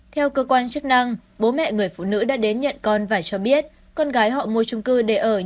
theo cơ quan chức năng bố mẹ người phụ nữ đã đến nhận con và cho biết con gái họ mua chung cư để ở nhưng không có thông tin